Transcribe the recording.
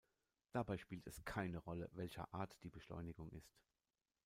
Dabei spielt es keine Rolle, welcher Art die Beschleunigung ist.